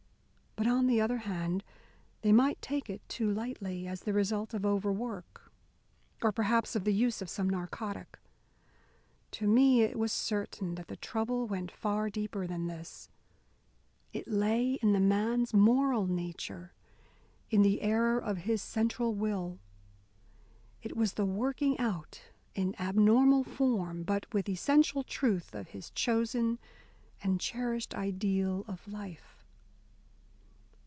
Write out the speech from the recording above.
But on the other hand they might take it too lightly, as the result of overwork, or perhaps of the use of some narcotic. To me it was certain that the trouble went far deeper than this. It lay in the man's moral nature, in the error of his central will. It was the working out, in abnormal form, but with essential truth, of his chosen and cherished ideal of life.